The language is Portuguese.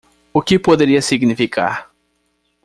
O que poderia significar?